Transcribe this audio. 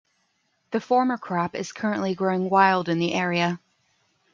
The former crop is currently growing wild in the area.